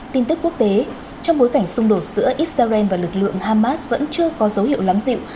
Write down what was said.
tin tức quốc tế trong bối cảnh xung đột giữa israel và lực lượng hamas vẫn chưa có dấu hiệu lắng dịu